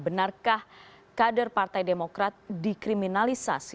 benarkah kader partai demokrat dikriminalisasi